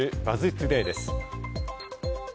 トゥデイです。